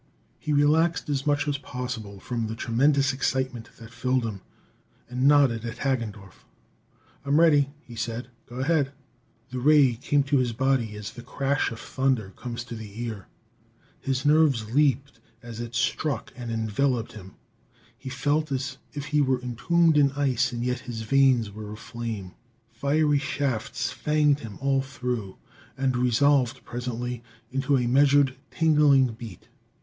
He relaxed as much as possible from the tremendous excitement that filled him, and nodded at Hagendorff. "I'm ready," he said. "Go ahead!" The ray came to his body as the crash of thunder comes to the ear. His nerves leaped as it struck and enveloped him. He felt as if he were entombed in ice, and yet his veins were aflame. Fiery shafts fanged him all through and resolved, presently, into a measured, tingling beat.